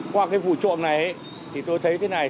qua cái vụ trộm này thì tôi thấy cái này